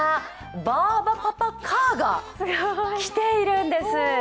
バーバパパカーが来ているんです。